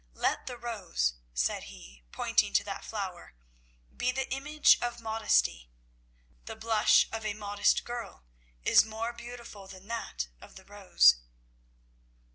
Let the rose," said he, pointing to that flower, "be the image of modesty. The blush of a modest girl is more beautiful than that of the rose."